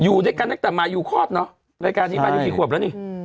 อยู่ด้วยกันตั้งแต่มายูคลอดเนอะรายการนี้มายูกี่ขวบแล้วนี่